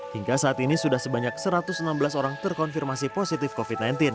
hingga saat ini sudah sebanyak satu ratus enam belas orang terkonfirmasi positif covid sembilan belas